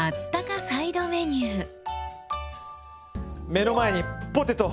目の前にポテト！